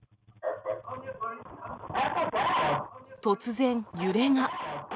突然、揺れが。